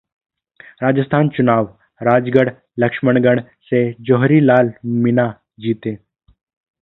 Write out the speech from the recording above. राजस्थान चुनाव: राजगढ़-लक्ष्मणगढ़ से जौहरीलाल मीना जीते